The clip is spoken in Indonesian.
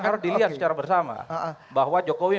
harus dilihat secara bersama bahwa jokowi